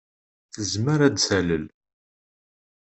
Tezmer ad d-talel.